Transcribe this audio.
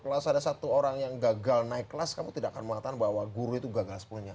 kelas ada satu orang yang gagal naik kelas kamu tidak akan mengatakan bahwa guru itu gagal semuanya